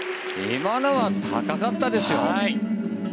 今のは高かったですよ。